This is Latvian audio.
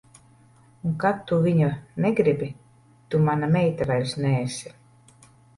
Un kad tu viņa negribi, tu mana meita vairs neesi.